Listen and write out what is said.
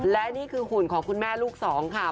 และนี่คือหุ่นของคุณแม่ลูกสองค่ะ